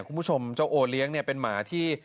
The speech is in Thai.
คุณผู้ชมเจ้าโอเลี้ยงเนี่ยเป็นหมาที่